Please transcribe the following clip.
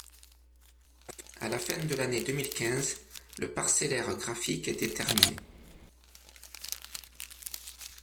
À la fin de l’année deux mille quinze, le parcellaire graphique était terminé.